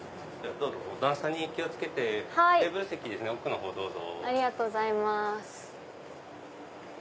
段差に気を付けてテーブル席奥のほうどうぞ。